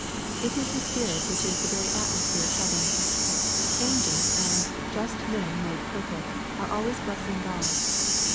— It is the spirit which is the very atmosphere of heaven. Angels and "just men made perfect" are always blessing God.